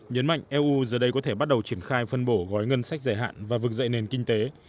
nhấn mạnh eu giờ đây có thể bắt đầu triển khai phân bổ gói ngân sách dài hạn và vực dậy nền kinh tế